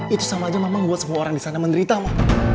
itu sama aja memang buat semua orang di sana menderita mah